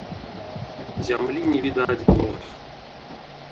Зямлі не відаць было.